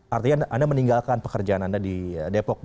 artinya anda meninggalkan pekerjaan anda di depok